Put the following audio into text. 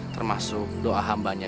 termasuk doa hambanya